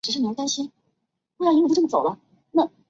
创办人及理事长为香港音乐人黄耀明。